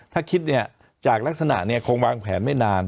ถ้าคิดจากลักษณะคงวางแผนไม่นาน